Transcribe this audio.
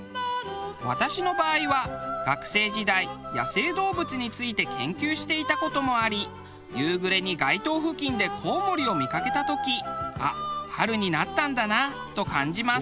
私の場合は学生時代野生動物について研究していた事もあり夕暮れに街灯付近でコウモリを見かけた時あっ春になったんだなと感じます。